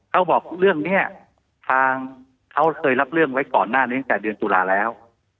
เขาบอกเรื่องนี้ทางเขาเลยรับเรื่องไว้ก่อนหน้านี้ตั้งแต่เดือนตุลาแล้ว